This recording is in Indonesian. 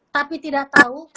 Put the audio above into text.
tapi tidak tahu